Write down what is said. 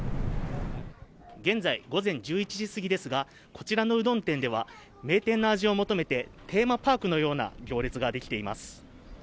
現在午前１１時過ぎですが、こちらのうどん店では、名店の味を求めてテーマパークのような行列が出来ています。